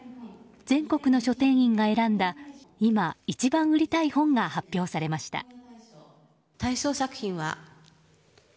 全国の書店員が選んだ今、一番売りたい本が発表されました。